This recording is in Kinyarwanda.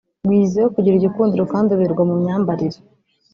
wiyiziho kugira igikundiro kandi uberwa mu myambarire